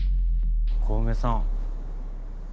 小梅さん。